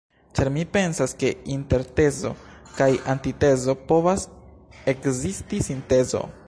Ĉar mi pensas, ke inter tezo kaj antitezo povas ekzisti sintezo.